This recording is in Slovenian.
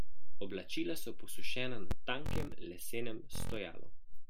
Oblačila so posušena na tankem lesenem stojalu.